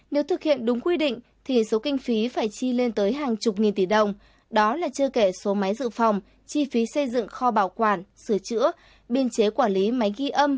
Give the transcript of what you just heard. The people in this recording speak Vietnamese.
nếu thực hiện đúng quy định thì số kinh phí phải chi lên tới hàng chục nghìn tỷ đồng đó là chưa kể số máy dự phòng chi phí xây dựng kho bảo quản sửa chữa biên chế quản lý máy ghi âm